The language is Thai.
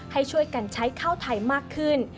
ให้ช่วยกันใช้ข้าวไทยมากขึ้น